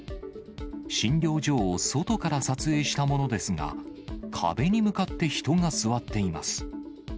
診療所を外から撮影したものですが、壁に向かって人が座っています。